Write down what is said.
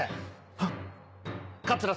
はっ。